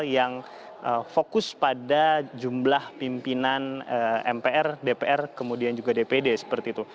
yang fokus pada jumlah pimpinan mpr dpr kemudian juga dpd seperti itu